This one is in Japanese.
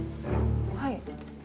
はい。